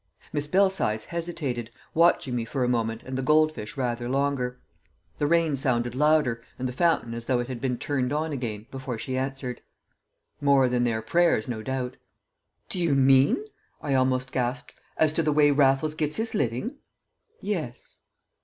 Miss Belsize hesitated, watching me for a moment and the goldfish rather longer. The rain sounded louder, and the fountain as though it had been turned on again, before she answered: "More than their prayers, no doubt!" "Do you mean," I almost gasped, "as to the way Raffles gets his living?" "Yes."